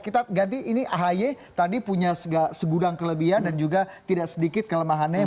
kita ganti ini ahy tadi punya segudang kelebihan dan juga tidak sedikit kelemahannya